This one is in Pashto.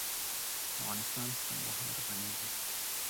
افغانستان په کندهار غني دی.